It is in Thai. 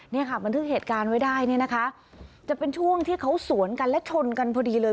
เนี่ยค่ะบันทึกเหตุการณ์ไว้ได้เนี่ยนะคะจะเป็นช่วงที่เขาสวนกันและชนกันพอดีเลย